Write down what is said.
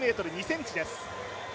８ｍ２ｃｍです。